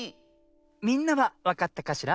みんなはわかったかしら？